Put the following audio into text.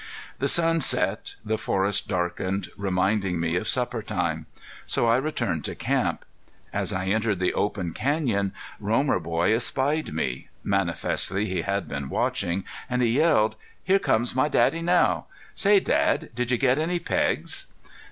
The sun set, the forest darkened, reminding me of supper time. So I returned to camp. As I entered the open canyon Romer boy espied me manifestly he had been watching and he yelled: "Here comes my Daddy now!... Say, Dad, did you get any pegs?"